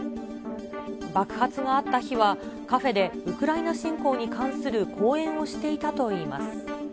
爆発があった日は、カフェでウクライナ侵攻に関する講演をしていたといいます。